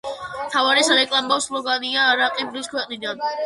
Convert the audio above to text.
მთავარი სარეკლამო სლოგანია „არაყი მგლის ქვეყნიდან“.